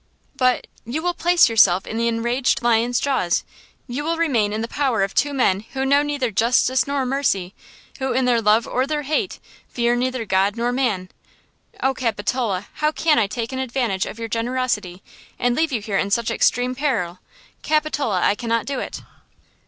"But–you will place yourself in the enraged lion's jaws! You will remain in the power of two men who know neither justice nor mercy! Who, in their love or their hate, fear neither God nor man! Oh, Capitola! how can I take an advantage of your generosity, and leave you here in such extreme peril? Capitola, I cannot do it!"